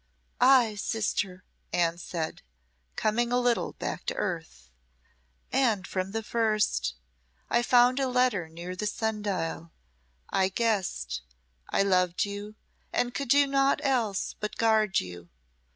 "Ay, sister," Anne said, coming a little back to earth, "and from the first. I found a letter near the sun dial I guessed I loved you and could do naught else but guard you.